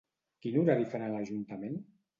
Quin horari fan a l'Ajuntament?